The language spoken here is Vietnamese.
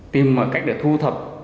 tìm mọi cách để thu thập